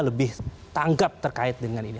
lebih tanggap terkait dengan ini